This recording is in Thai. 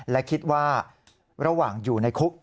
และคิดว่าระหว่างอยู่ในคุก